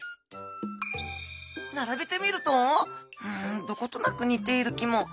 並べてみるとうんどことなく似ている気も。